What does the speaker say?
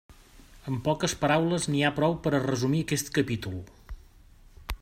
Amb poques paraules n'hi ha prou per a resumir aquest capítol.